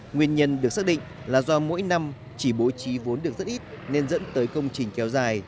nguyên nhân được xác định là do mỗi năm chỉ bố trí vốn được rất ít nên dẫn tới công trình kéo dài